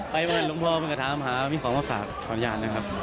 ไปเวินรุงพอบริกษาภาพมีของมาฝากขออนุญาตนะครับ